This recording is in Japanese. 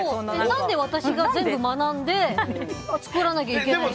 何で私が全部学んで作らなきゃいけないの？